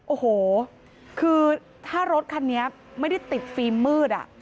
โอ้โหคือถ้ารถคันนี้ไม่ได้ติดฟิล์มมืด